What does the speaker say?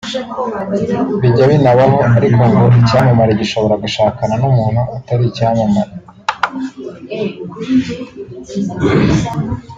Bijya binabaho ariko ko icyamamare gishobora gushakana n’umuntu utari icyamamare